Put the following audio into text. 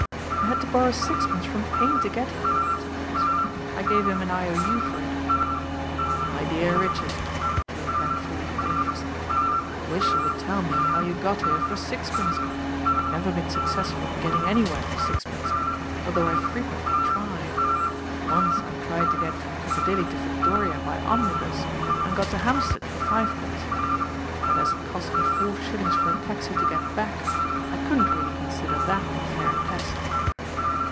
"I had to borrow sixpence from Payne to get here," said Beresford. "I gave him an I.O.U. for it." "My dear Richard." Drewitt leaned forward with interest. "I wish you would tell me how you got here for sixpence. I've never been successful in getting anywhere for sixpence, although I frequently try. Once I tried to get from Piccadilly to Victoria by omnibus, and got to Hampsiead for fivepence; but as it cost me four shillings for a taxi to get back, I couldn't really consider that a fair test."